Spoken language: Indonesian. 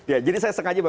ya jadi saya sengaja